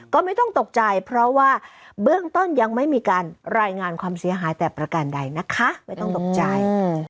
ก็ไม่ต้องตกใจเพราะว่าเบื้องต้นยังไม่มีการรายงานความเสียหายแต่ประการใดนะคะไม่ต้องตกใจ